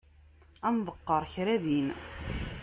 Ad nḍeqqer kra din.